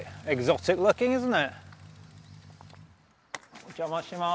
お邪魔します。